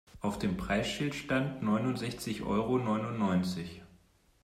Auf dem Preisschild stand neunundsechzig Euro neunundneunzig.